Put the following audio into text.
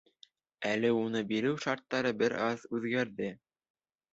Әле уны биреү шарттары бер аҙ үҙгәрҙе.